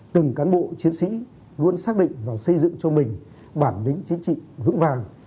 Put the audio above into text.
từng cán bộ chiến sĩ luôn xác định và xây dựng cho mình bản lĩnh chính trị vững vàng